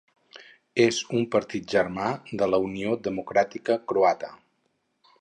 És un partit germà de la Unió Democràtica Croata.